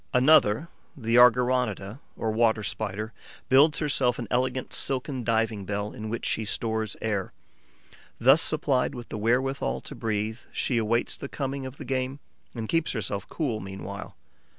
Another, the Argyroneta, or Water Spider, builds herself an elegant silken diving bell, in which she stores air. Thus supplied with the wherewithal to breathe, she awaits the coming of the game and keeps herself cool meanwhile.